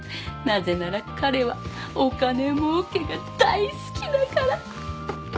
なぜなら彼はお金もうけが大好きだから！